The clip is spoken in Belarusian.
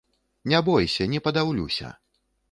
Не бойся, не падаўлюся!